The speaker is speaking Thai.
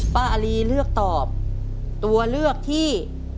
อารีเลือกตอบตัวเลือกที่